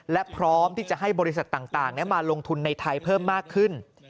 และพร้อมที่จะให้บริษัทต่างมาลงทุนในไทยเพิ่มมากขึ้น